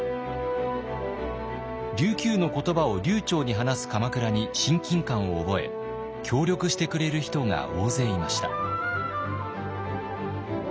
琉球の言葉を流ちょうに話す鎌倉に親近感を覚え協力してくれる人が大勢いました。